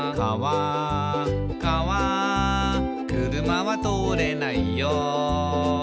「かわ車は通れないよ」